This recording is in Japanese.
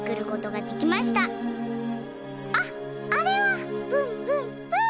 「あっあれはぶんぶんぶん！」。